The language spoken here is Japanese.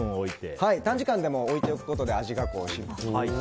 短時間でも置いておくことで味が染みますので。